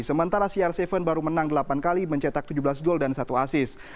sementara cr tujuh baru menang delapan kali mencetak tujuh belas gol dan satu asis